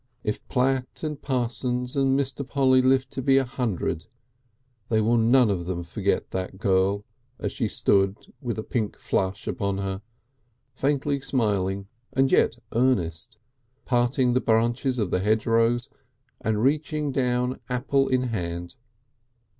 If Platt and Parsons and Mr. Polly live to be a hundred, they will none of them forget that girl as she stood with a pink flush upon her, faintly smiling and yet earnest, parting the branches of the hedgerows and reaching down apple in hand.